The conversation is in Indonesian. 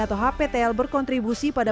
atau hptl berkontribusi pada